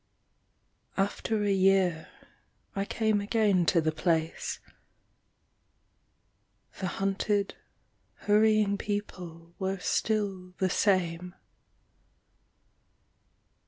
After a year I came again to the place The hunted hurrying people were still the same....